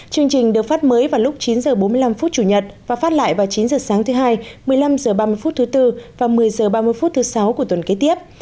chương trình được phát mới vào lúc chín h bốn mươi năm chủ nhật và phát lại vào chín h sáng thứ hai một mươi năm h ba mươi phút thứ bốn và một mươi h ba mươi phút thứ sáu của tuần kế tiếp